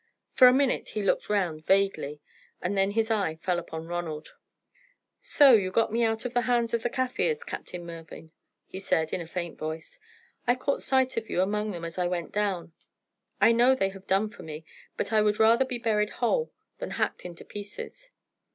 For a minute he looked round vaguely, and then his eye fell upon Ronald. "So you got me out of the hands of the Kaffirs, Captain Mervyn," he said, in a faint voice. "I caught sight of you among them as I went down. I know they have done for me, but I would rather be buried whole than hacked into pieces."